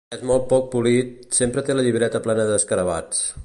És molt poc polit, sempre té la llibreta plena d'escarabats.